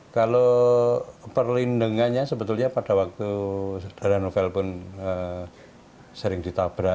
kalau perlindungannya sebetulnya pada waktu saudara novel pun sering ditabrak